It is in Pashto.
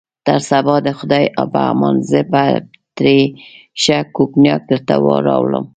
تر سبا د خدای په امان، زه به تر دې ښه کونیاک درته راوړم.